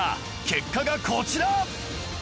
結果がこちら！